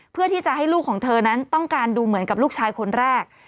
เพื่อที่จะให้ลูกของเธอนั้นต้องการดูเหมือนกับลูกชายคนแรก